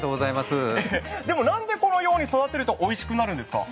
でも、なんでこのように育てるとおいしくなるんですか？